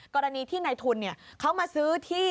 กรณีที่ในทุนเขามาซื้อที่